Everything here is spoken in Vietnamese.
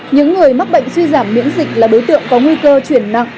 những người mắc bệnh suy giảm miễn dịch là đối tượng có nguy cơ chuyển nặng